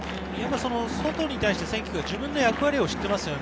外に対して自分の役割を知っています。